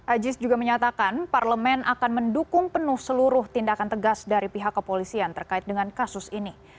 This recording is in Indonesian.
ajis juga menyatakan parlemen akan mendukung penuh seluruh tindakan tegas dari pihak kepolisian terkait dengan kasus ini